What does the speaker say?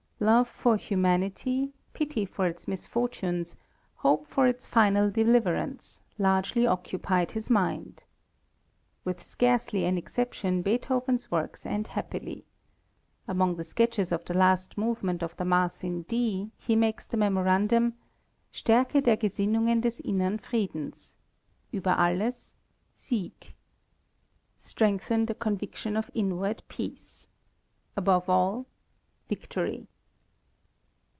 Love for humanity, pity for its misfortunes, hope for its final deliverance, largely occupied his mind. With scarcely an exception Beethoven's works end happily. Among the sketches of the last movement of the Mass in D, he makes the memorandum, "Stärke der Gesinnungen des innern Friedens. Über alles ... Sieg." (Strengthen the conviction of inward peace. Above all Victory).